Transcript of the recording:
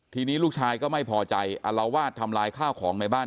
ทีนี้ลูกชายก็ไม่พอใจอลวาดทำลายข้าวของในบ้าน